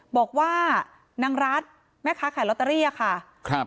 บอกว่านางรัฐแม่ค้าขายลอตเตอรี่ค่ะครับ